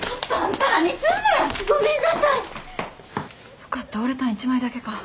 よかった折れたん１枚だけか。